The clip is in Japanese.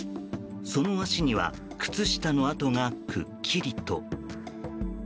その足には靴下の跡がくっきりと。